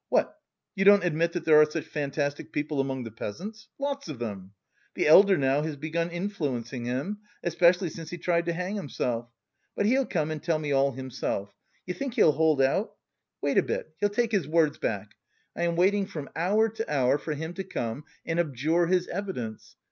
What, you don't admit that there are such fantastic people among the peasants? Lots of them. The elder now has begun influencing him, especially since he tried to hang himself. But he'll come and tell me all himself. You think he'll hold out? Wait a bit, he'll take his words back. I am waiting from hour to hour for him to come and abjure his evidence.